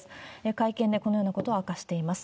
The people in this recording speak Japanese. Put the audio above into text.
会見でこのようなことを明かしています。